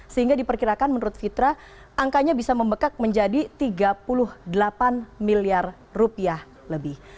sehingga diperkirakan menurut fitra angkanya bisa membekak menjadi tiga puluh delapan miliar rupiah lebih